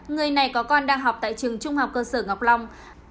người này có con đang học tại trường trung học cơ sở ngọc long